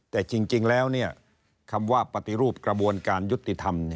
แต่จริงแล้วคำว่าปฏิรูปกระบวนการยุติธรรม